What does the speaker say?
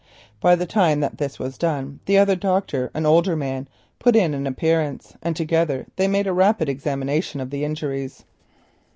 By the time that this was done the other doctor, an older man, put in an appearance, and together they made a rapid examination of the injuries.